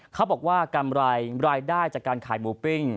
เขาบอกว่ากำไรรายได้จากการขายหมูปิ้ง